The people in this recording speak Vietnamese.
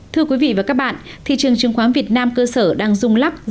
thưa quý vị và các bạn thị trường chứng khoán việt nam cơ sở đang sử dụng khách hàng